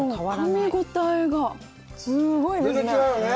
かみ応えがすごいですね。